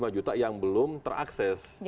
tiga puluh lima juta yang belum terakses